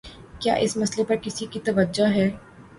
کیا اس مسئلے پر کسی کی توجہ ہے؟